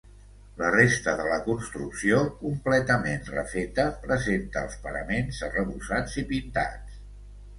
La resta de la construcció, completament refeta, presenta els paraments arrebossats i pintats.